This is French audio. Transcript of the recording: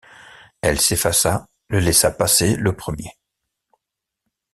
Elle s’effaça, le laissa passer le premier.